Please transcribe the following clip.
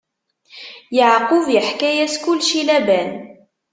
Yeɛqub iḥka-yas kullec i Laban.